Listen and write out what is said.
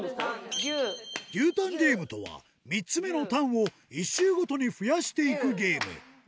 牛タンゲームとは、３つ目のタンを１周ごとに増やしていくゲーム。